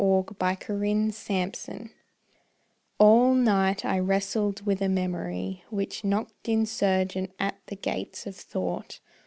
Crepuscule du Matin All night I wrestled with a memory Which knocked insurgent at the gates of thought.